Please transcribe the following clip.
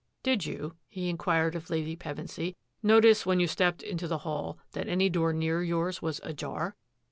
" Did you,'* he inquired of Lady Pev( " notice when you stepped into the hall that door near yours was ajar.'